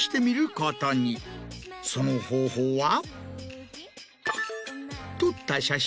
その方法は。